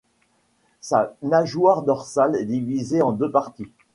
Sa nageoire dorsale est divisée en deux parties.